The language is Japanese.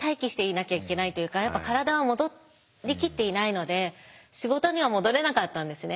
体は戻りきっていないので仕事には戻れなかったんですね。